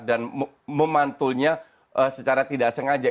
dan memantulnya secara tidak sengaja